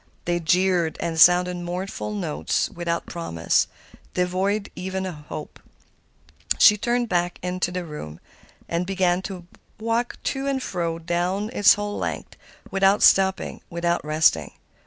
They jeered and sounded mournful notes without promise, devoid even of hope. She turned back into the room and began to walk to and fro down its whole length without stopping, without resting.